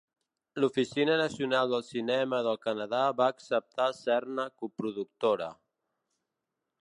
L'Oficina Nacional del Cinema del Canadà va acceptar ser-ne coproductora.